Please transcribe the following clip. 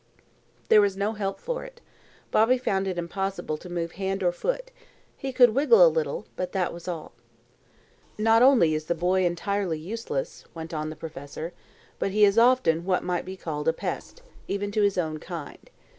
There was no help for it. Bobby found it impossible to move hand or foot. He could wriggle a little, but that was all. "Not only is the Boy entirely useless," went on the professor, "but he is often what might be called a pest, even to his own kind.